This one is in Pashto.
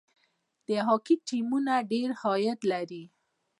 د هاکي ټیمونه ډیر عاید لري.